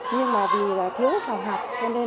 nhưng vì thiếu phòng học